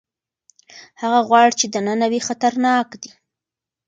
هغه غوړ چې دننه وي خطرناک دي.